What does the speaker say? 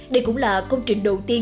đây cũng là công trình đầu tiên